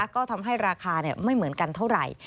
ก็ทำให้ราคาไม่เหมือนกันเท่าไหร่